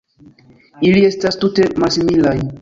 Ili estas tute malsimilaj.